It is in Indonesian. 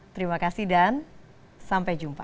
terima kasih dan sampai jumpa